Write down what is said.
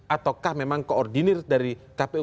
ataukah memang koordinir dari kpu